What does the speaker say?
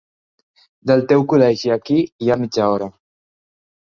Del teu col·legi aquí hi ha mitja hora.